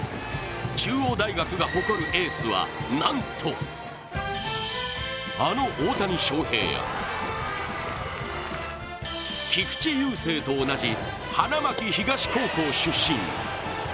中央大学が誇るエースはなんとあの大谷翔平や菊池雄星と同じ花巻東高校出身。